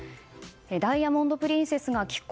「ダイヤモンド・プリンセス」が寄港。